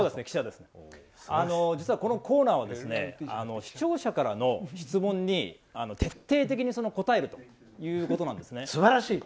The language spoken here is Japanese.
実はこのコーナーは視聴者からの質問に徹底的に答えるということなんですね。